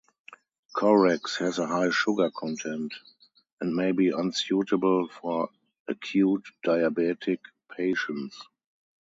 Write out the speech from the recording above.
Corex has a high sugar content, and may be unsuitable for acute diabetic patients.